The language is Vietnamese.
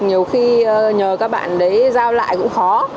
nhiều khi nhờ các bạn đấy giao lại cũng khó